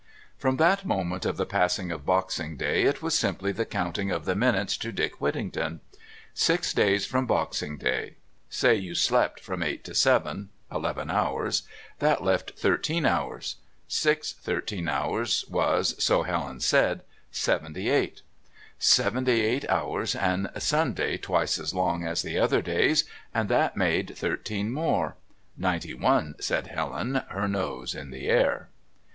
From that moment of the passing of Boxing Day it was simply the counting of the minutes to "Dick Whittington." Six days from Boxing Day. Say you slept from eight to seven eleven hours; that left thirteen hours; six thirteen hours was, so Helen said, seventy eight. Seventy eight hours, and Sunday twice as long as the other days, and that made thirteen more; ninety one, said Helen, her nose in the air.